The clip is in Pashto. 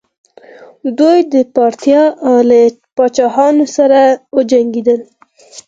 دوی د پارتیا له پاچاهانو سره وجنګیدل